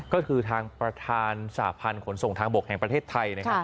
ก็คือทางประธานสาธารณ์ขนส่งทางบกแห่งประเทศไทย